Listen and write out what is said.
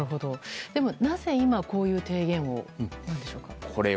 でも、なぜ今こういう提言をしたんでしょうか。